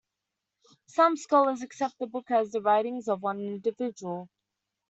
Some scholars accept the book as the writings of one individual.